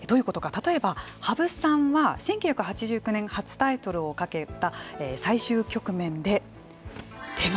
例えば羽生さんは１９８９年初タイトルをかけた最終局面で手が震えていた。